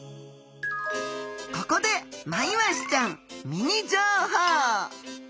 ここでマイワシちゃんミニ情報！